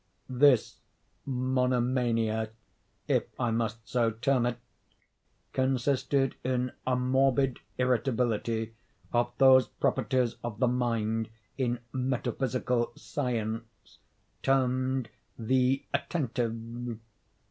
This monomania, if I must so term it, consisted in a morbid irritability of those properties of the mind in metaphysical science termed the attentive.